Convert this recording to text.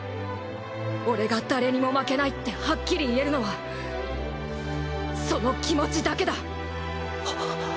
俺が誰にも負けないってはっきり言えるのはその気持ちだけだ！